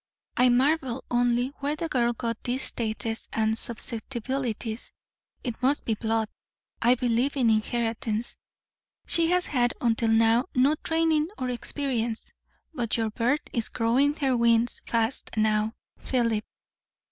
I marvel only where the girl got these tastes and susceptibilities; it must be blood; I believe in inheritance. She has had until now no training or experience; but your bird is growing her wings fast now, Philip.